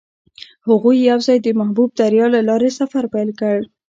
هغوی یوځای د محبوب دریا له لارې سفر پیل کړ.